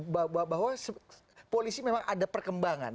bahwa polisi memang ada perkembangan